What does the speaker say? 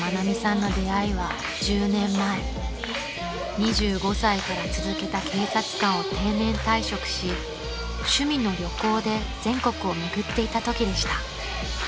［２５歳から続けた警察官を定年退職し趣味の旅行で全国を巡っていたときでした］